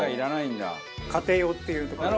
家庭用っていうところで。